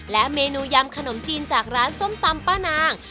และเมนูยำขนมจีนจากร้านส้มตำป้านาง